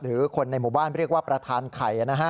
คนในหมู่บ้านเรียกว่าประธานไข่นะฮะ